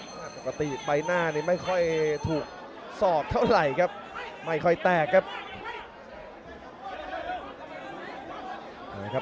ปกติใบหน้านี้ไม่ค่อยถูกสอบเท่าไหร่ครับไม่ค่อยแตกครับ